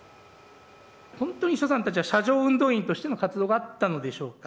本当に秘書さんたちは車上運動員としての活動があったのでしょうか。